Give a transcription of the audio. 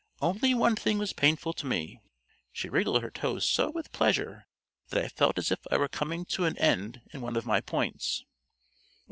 Only one thing was painful to me: she wriggled her toes so with pleasure that I feel as if I were coming to an end in one of my points."